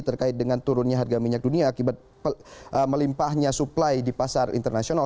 terkait dengan turunnya harga minyak dunia akibat melimpahnya suplai di pasar internasional